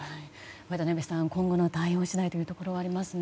渡辺さん、今後の対応次第ということはありますね。